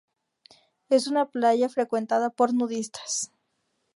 Es una playa frecuentada por nudistas.